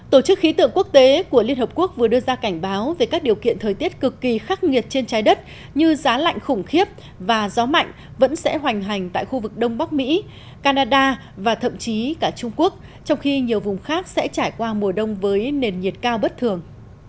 tổ chức khí tượng quốc tế của liên hợp quốc vừa đưa ra cảnh báo về các điều kiện thời tiết cực kỳ khắc nghiệt trên trái đất như giá lạnh khủng khiếp và gió mạnh vẫn sẽ hoành hành tại khu vực đông bắc mỹ canada và thậm chí cả trung quốc trong khi nhiều vùng khác sẽ trải qua mùa đông với nền nhiệt cao bất thường